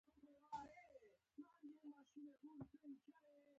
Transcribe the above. مرکزي بانک یې مخنیوی کوي.